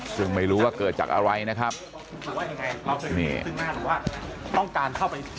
ซึ่งไม่รู้ว่าเกิดจากอะไรนะครับว่าไงต้องการเข้าไป